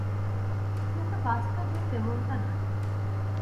কিন্তু বাস্তবে তেমনটা নয়।